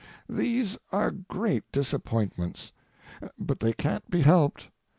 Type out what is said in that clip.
These are great disappointments; but they can't be helped.